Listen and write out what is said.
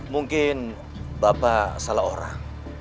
mungkin bapak salah orang